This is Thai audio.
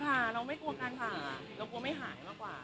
เราไม่กลัวการผ่าเรากลัวไม่หายมากกว่า